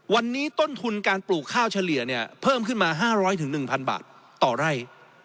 วันนี้ต้นทุนการปลูกข้าวเฉลี่ยเนี่ยเพิ่มขึ้นมา๕๐๐๑๐๐บาทต่อไร่